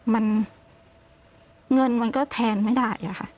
มันเงินมันก็แทนไม่ได้